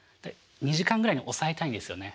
２時間ぐらいに抑えたいんですよね。